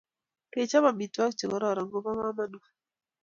Kechop amitwogik che kororon ko po kamanut